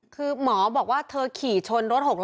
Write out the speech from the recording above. คือหมอบอกว่าเธอขี่ชนรถ๖ล้อ